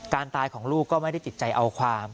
การตายของลูกก็ไม่ได้ติดใจเอาความ